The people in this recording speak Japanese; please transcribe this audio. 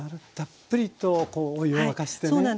たっぷりとこうお湯を沸かしてね。